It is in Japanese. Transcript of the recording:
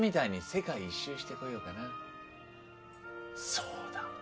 そうだ！